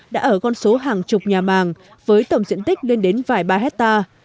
đã ở con số hàng chục nhà màng với tổng diện tích lên đến vài ba hectare